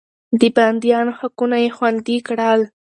د بنديانو حقونه يې خوندي کړل.